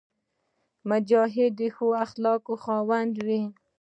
مجاهد د ښو اخلاقو خاوند وي.